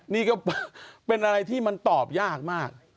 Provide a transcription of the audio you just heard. นี่ก็เป็นอะไรที่มันตอบยากมาก